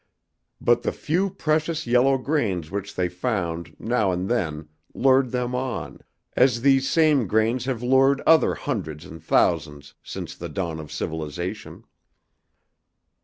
But the few precious yellow grains which they found now and then lured them on, as these same grains have lured other hundreds and thousands since the dawn of civilization.